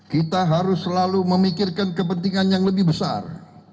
kita harus selalu memikirkan kepentingan yang lebih besar